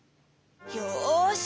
よし！